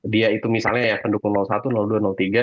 dia itu misalnya ya pendukung